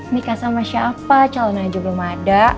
nikah sama siapa calon haji belum ada